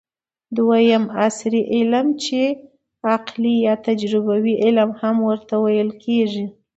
دویم : عصري علم چې عقلي یا تجربوي علم هم ورته ويل کېږي